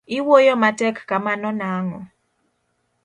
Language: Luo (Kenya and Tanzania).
iwuoyo matek kamano nang'o?